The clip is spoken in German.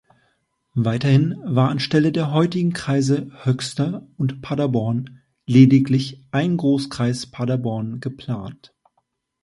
Weiterhin war anstelle der heutigen Kreise Höxter und Paderborn lediglich ein Großkreis Paderborn geplant.